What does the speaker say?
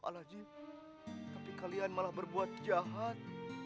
tapi kalian malah berbuat jahat